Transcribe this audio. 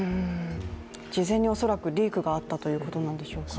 事前に恐らくリークがあったということなんでしょうか。